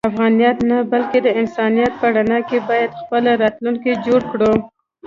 د افغانیت نه بلکې د انسانیت په رڼا کې باید خپل راتلونکی جوړ کړو.